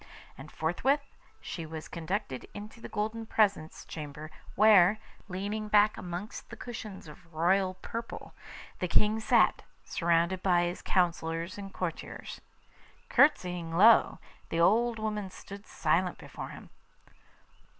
And forthwith she was conducted into the golden presence chamber, where, leaning back amongst cushions of royal purple, the King sat, surrounded by his counsellors and courtiers. Courtesying low, the old woman stood silent before him.